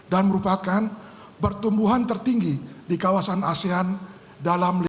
dan merupakan pertumbuhan tertinggi di kawasan asean dalam lima tahun